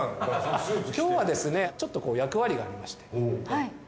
今日はですねちょっと役割がありまして。